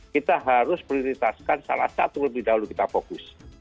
kita harus prioritaskan salah satu lebih dahulu kita fokus